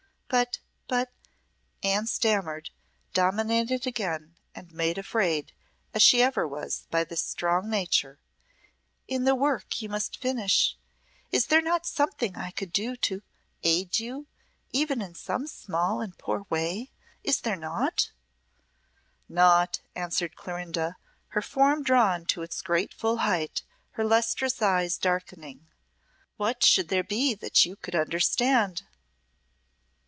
"But but " Anne stammered, dominated again, and made afraid, as she ever was, by this strong nature, "in this work you must finish is there not something I could do to aid you even in some small and poor way. Is there naught?" "Naught," answered Clorinda, her form drawn to its great full height, her lustrous eyes darkening. "What should there be that you could understand?"